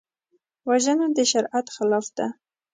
وژنه د شریعت خلاف ده